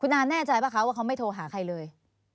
นานแน่ใจป่ะคะว่าเขาไม่โทรหาใครเลย